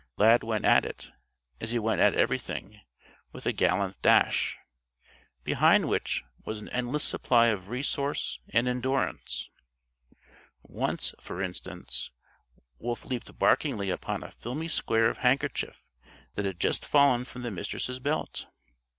Lad went at it, as he went at everything with a gallant dash, behind which was an endless supply of resource and endurance. Once, for instance, Wolf leaped barkingly upon a filmy square of handkerchief that had just fallen from the Mistress' belt.